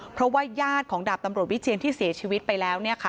เพราะว่าญาติของดาบตำรวจวิเชียนที่เสียชีวิตไปแล้ว